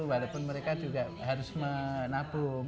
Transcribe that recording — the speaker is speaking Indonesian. walaupun mereka juga harus menabung